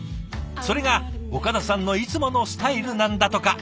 それが岡田さんのいつものスタイルなんだとか。